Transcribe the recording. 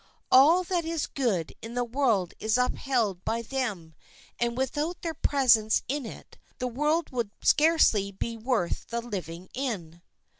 All that is good in the world is upheld by them, and without their presence in it, the world would scarcely be worth the living in.